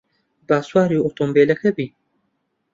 با سواری ئۆتۆمۆبیلەکە بین.